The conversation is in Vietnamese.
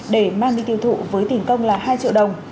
để mang đi tiêu thụ với tiền công là hai triệu đồng